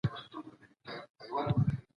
ولې واردات دومره لږ سول؟